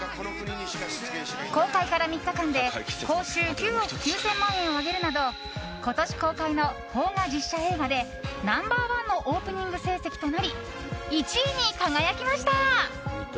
公開から３日間で興収９億９０００万円を挙げるなど今年公開の邦画実写映画でナンバー１のオープニング成績となり１位に輝きました。